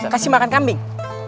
kasih makan kambing